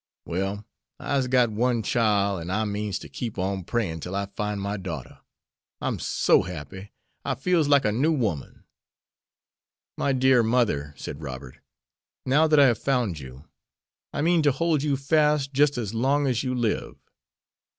Well, I'se got one chile, an' I means to keep on prayin' tell I fine my daughter. I'm so happy! I feel's like a new woman!" "My dear mother," said Robert, "now that I have found you, I mean to hold you fast just as long as you live.